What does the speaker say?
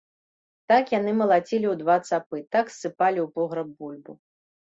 Так яны малацілі ў два цапы, так ссыпалі ў пограб бульбу.